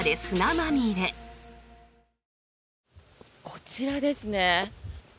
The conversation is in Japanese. こちらですね。